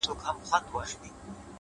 راسه دوې سترگي مي دواړي درله دركړم _